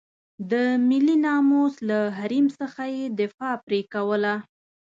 د ملي ناموس له حریم څخه یې دفاع پرې کوله.